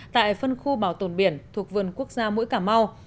tại phân khu bảo tồn biển thuộc vườn quốc gia mũi cảm mau